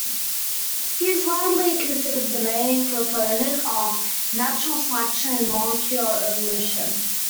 He is widely considered the main proponent of natural selection in molecular evolution.